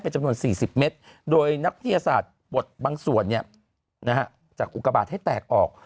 จากอวกาศภายให้แตกออก